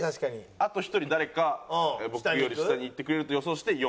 あと１人誰か僕より下にいってくれると予想して４。